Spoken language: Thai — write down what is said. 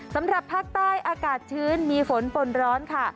สำหรับภาคใต้อากาศชื้นมีฝนปนร้อนค่ะ